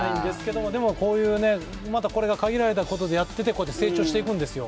でも、またこれで限られたことでやっててこうやって成長していくんですよ。